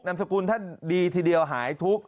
สกุลท่านดีทีเดียวหายทุกข์